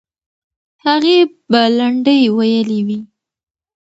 هغې به لنډۍ ویلې وي.